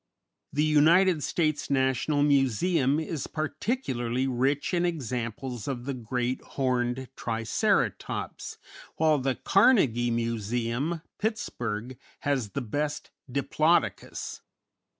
The United States National Museum is particularly rich in examples of the great, horned Triceratops, while the Carnegie Museum, Pittsburgh, has the best Diplodocus.